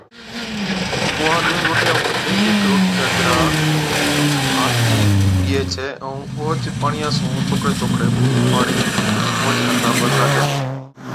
اُونھان ڏُونھِين روٽِيان مُون ھيڪ ھيڪ روٽِي چا گِرھا ڀانتِي ڏِيئَي ڇَي ائُون اوھچ پاڻِيا سُون ٿوڪڙَي ٿوڪڙَي پاڻِي اُونھان چي ھٿا پر ناکَي ڇَي